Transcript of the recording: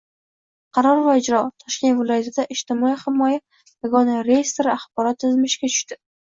Qaror va ijro:Toshkent viloyatida "Ijtimoiy himoya yagona reyestri" axborot tizimi ishga tushdi